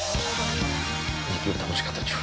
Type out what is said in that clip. きょう楽しかったでしょ。